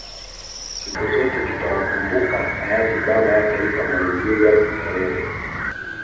Siku zote tutawakumbuka Hayati Baba wa taifa Mwalimu Julius Nyerere